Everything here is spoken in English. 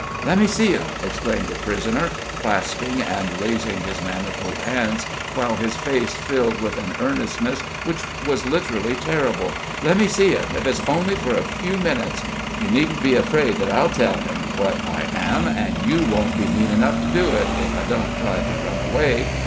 "Let me see him!" exclaimed the prisoner, clasping and raising his manacled hands, while his face filled with an earnestness which was literally terrible "let me see him, if it's only for a few minutes! You needn't be afraid that I'll tell him what I am, and you won't be mean enough to do it, if I don't try to run away.